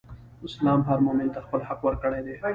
اسلام هر مؤمن ته خپل حق ورکړی دئ.